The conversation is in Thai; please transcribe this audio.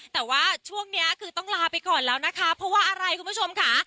แต่ว่าช่วงนี้คือต้องลาไปก่อนแล้วนะคะเพราะว่าอะไรคุณผู้ชมค่ะ